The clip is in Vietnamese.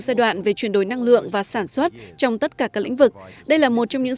giai đoạn về chuyển đổi năng lượng và sản xuất trong tất cả các lĩnh vực đây là một trong những